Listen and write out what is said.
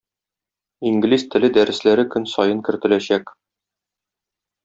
Инглиз теле дәресләре көн саен кертеләчәк.